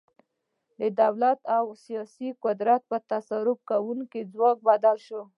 د دولت او سیاسي قدرت په تصرف کوونکي ځواک بدل شو.